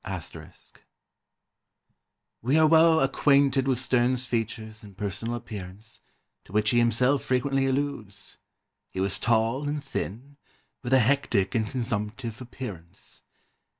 *] "We are well acquainted with Sterne's features and personal appearance, to which he himself frequently alludes. He was tall and thin, with a hectic and consumptive appearance.